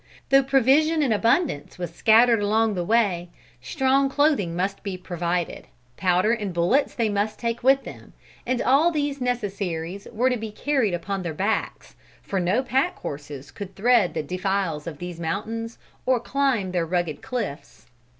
Though provision in abundance was scattered along the way, strong clothing must be provided, powder and bullets they must take with them, and all these necessaries were to be carried upon their backs, for no pack horses could thread the defiles of the mountains or climb their rugged cliffs.